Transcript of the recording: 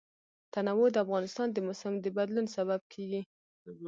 تنوع د افغانستان د موسم د بدلون سبب کېږي.